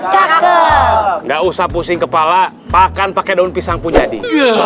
kakek nggak usah pusing kepala makan pakai daun pisang pun jadi